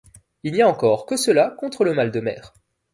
Il n’y a encore que cela contre le mal de mer…